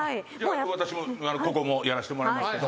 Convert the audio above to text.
私ここもやらせてもらいますけど。